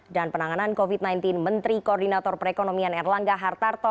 dan penanganan covid sembilan belas menteri koordinator perekonomian erlangga hartarto